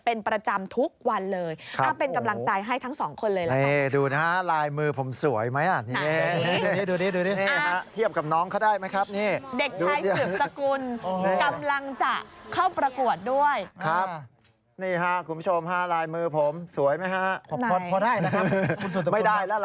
เป็นประจำทุกวันเลย